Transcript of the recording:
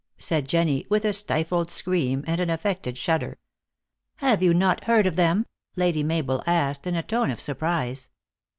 said Jenny, with a stifled scream, and an affected shudder. " Have you not heard of them ?" Lady Mabel asked in a tone of surprise.